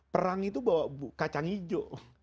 perang itu bawa kacang hijau